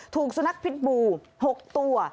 ถูกสุนัขพิษบู๖ตัว